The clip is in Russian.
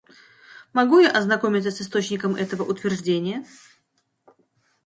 Могу я ознакомиться с источником этого утверждения?